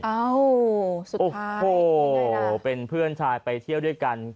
เอ้าสุดท้ายโอ้โหเป็นเพื่อนชายไปเที่ยวด้วยกัน